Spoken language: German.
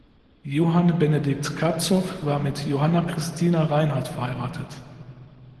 Johann Benedict Carpzov war mit Johanna Christina Reinhardt verheiratet.